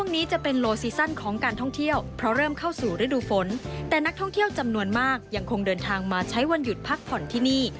นักท่องเที่ยวจำนวนมากยังคงเดินทางมาใช้วันหยุดพักผ่อนที่นี่